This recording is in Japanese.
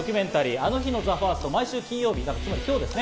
『あの日のＴＨＥＦＩＲＳＴ』、毎週金曜日ですから今日ですね。